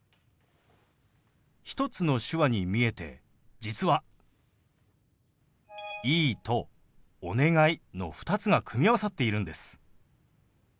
１つの手話に見えて実は「いい」と「お願い」の２つが組み合わさっているんです。